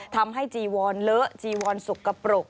ทำให้จีวอนเลอะจีวอนสุกกระปรก